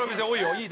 いい？